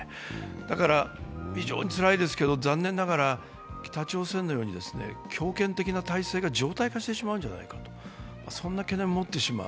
だから、非常につらいですけれども残念ながら北朝鮮のように強権的な体制が常態化してしまうんじゃないかという懸念を持ってしまう。